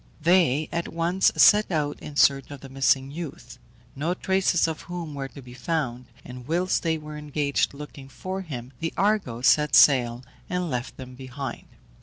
They at once set out in search of the missing youth, no traces of whom were to be found, and whilst they were engaged looking for him, the Argo set sail and left them behind.